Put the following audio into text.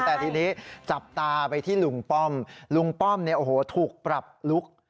แต่ทีนี้จับตาไปที่ลุงป้อมลุงป้อมเนี่ยโอ้โหถูกปรับลุค